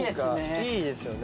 いいですよね